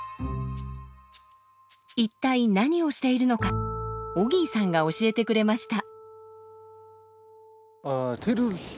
一体何をしているのかオギーさんが教えてくれました。